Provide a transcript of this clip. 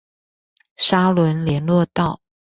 沙崙連絡道